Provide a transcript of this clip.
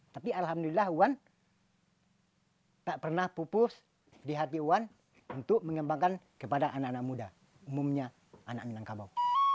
tapi alhamdulillah wan tak pernah pupus di hati wan untuk mengembangkan kepada anak anak muda umumnya anak minangkabau